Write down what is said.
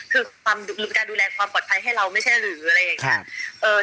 คือการดูแลความปลอดภัยให้เราไม่ใช่หรืออะไรอย่างนี้